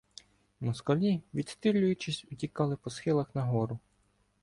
Москалі, відстрілюючись, утікали по схилах на гору.